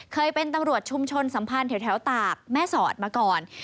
เคยเป็นตำรวจชุมชนสัมพันธ์แถวตากแม่สอดมาก่อน